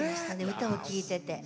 歌を聴いてて。